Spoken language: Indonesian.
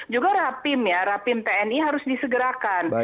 juga rapim ya rapim tni harus disegerakan